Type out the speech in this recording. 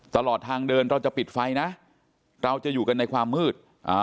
ตลอดทางเดินเราจะปิดไฟนะเราจะอยู่กันในความมืด